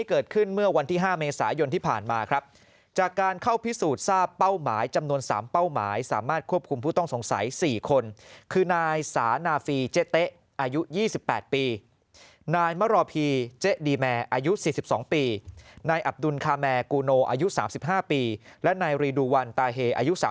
เข้าหมายสามารถควบคุมต้องของใส่๔คนคือนายสานาฟีเจ๊เต๊ะอายุ๒๘ปีนายเธ